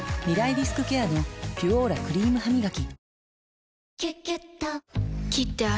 リスクケアの「ピュオーラ」クリームハミガキ